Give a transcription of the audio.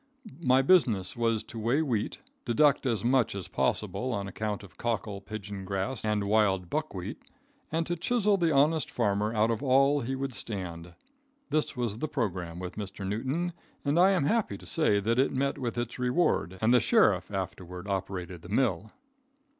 My business was to weigh wheat, deduct as much as possible on account of cockle, pigeon grass and wild buckwheat, and to chisel the honest farmer out of all he would stand. This was the programme with Mr. Newton; but I am happy to say that it met with its reward, and the sheriff afterward operated the mill.